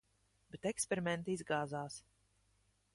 Bet eksperimenti izgāzās.